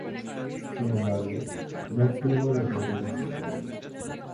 Sin embargo, no obtuvo los votos necesarios.